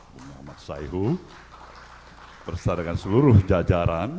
bung ahmad syaihu bersetelah dengan seluruh jajaran